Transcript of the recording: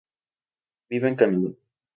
Vive en Canadá.